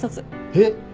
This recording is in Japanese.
えっ！